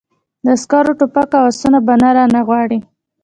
د عسکرو ټوپک او آسونه به نه رانه غواړې!